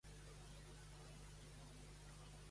I Love You" i la comèdia negra "Pretty Maids All in a Row".